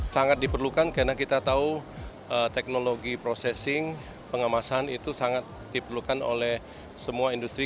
sangat diperlukan karena kita tahu teknologi processing pengemasan itu sangat diperlukan oleh semua industri